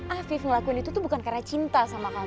afif ngelakuin itu bukan karena cinta